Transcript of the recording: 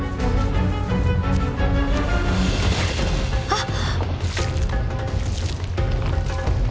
「あっ！」。